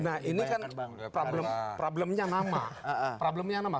nah ini kan problemnya nama